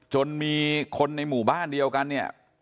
จนมีคนในหมู่บ้านเดียวกันเนี่ย